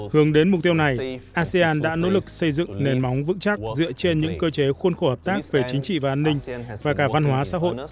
hướng đến mục tiêu này asean đã nỗ lực xây dựng nền móng vững chắc dựa trên những cơ chế khuôn khổ hợp tác về chính trị và an ninh và cả văn hóa xã hội